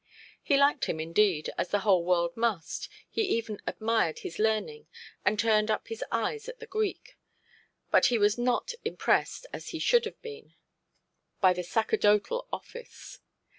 He liked him indeed, as the whole world must; he even admired his learning, and turned up his eyes at the Greek; but he was not impressed, as he should have been, by the sacerdotal office.